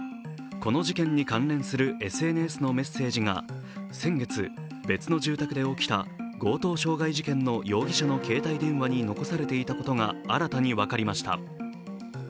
この事件に関連するＳＮＳのメッセージが先月、別の住宅で起きた強盗傷害事件の容疑者の携帯電話に残されていたことが新たに分かりました。